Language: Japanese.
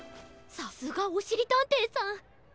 さすがおしりたんていさん。